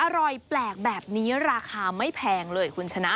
อร่อยแปลกแบบนี้ราคาไม่แพงเลยคุณชนะ